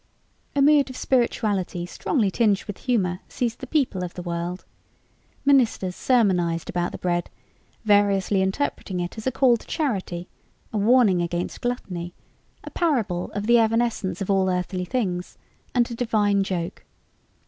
A mood of spirituality strongly tinged with humor seized the people of the world. Ministers sermonized about the bread, variously interpreting it as a call to charity, a warning against gluttony, a parable of the evanescence of all earthly things, and a divine joke.